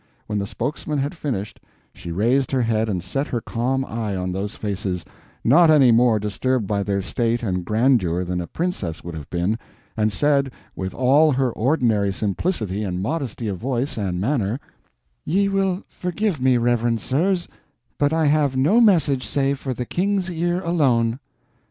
When the spokesman had finished, she raised her head and set her calm eye on those faces, not any more disturbed by their state and grandeur than a princess would have been, and said, with all her ordinary simplicity and modesty of voice and manner: "Ye will forgive me, reverend sirs, but I have no message save for the King's ear alone."